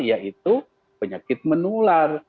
yaitu penyakit menular